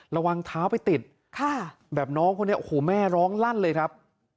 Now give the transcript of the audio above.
ระวังเท้าไปติดแบบน้องคนนี้โอ้โหแม่ร้องลั่นเลยครับ